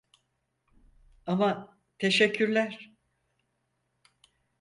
Ama teşekkürler.